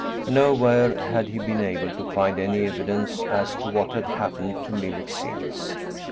Nowhere had he been able to find any evidence as to what had happened to Millet since.